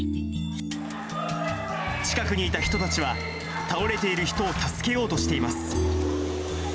近くにいた人たちは、倒れている人を助けようとしています。